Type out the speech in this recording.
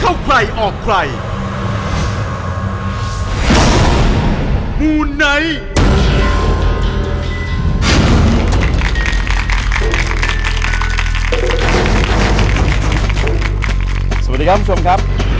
สวัสดีครับคุณผู้ชมครับ